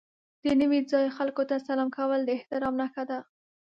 د نوي ځای خلکو ته سلام کول د احترام نښه ده.